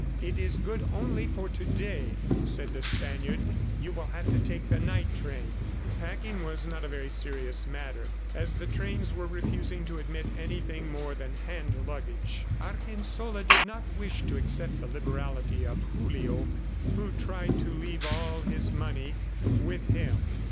"It is good only for to day," said the Spaniard, "you will have to take the night train." Packing was not a very serious matter, as the trains were refusing to admit anything more than hand luggage. Argensola did not wish to accept the liberality of Julio who tried to leave all his money with him.